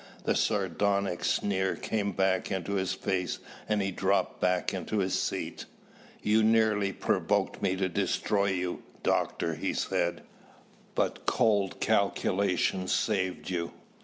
The sardonic sneer came back into his face and he dropped back into his seat. "You nearly provoked me to destroy you, Doctor," he said, "but cold calculation saved you.